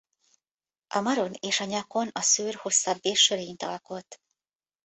A maron és a nyakon a szőr hosszabb és sörényt alkot.